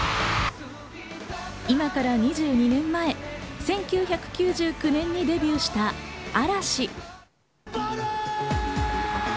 今から２２年前、１９９９年にデビューした嵐。